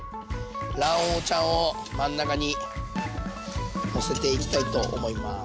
卵黄ちゃんを真ん中にのせていきたいと思います。